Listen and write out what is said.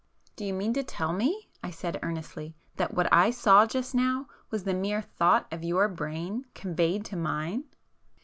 "Do you mean to tell me," I said earnestly "that what I saw just now was the mere thought of your brain conveyed to mine?"